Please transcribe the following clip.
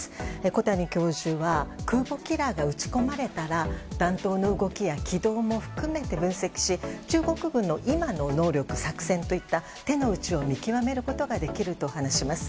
小谷教授は空母キラーが撃ち込まれたら弾頭の動きや軌道も含めて分析し中国軍の今の能力、作戦といった手の内を見極めることができると話します。